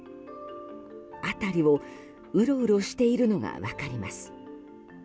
辺りをうろうろしているのが分かります。